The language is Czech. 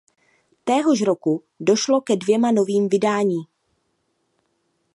Téhož roku došlo ke dvěma novým vydání.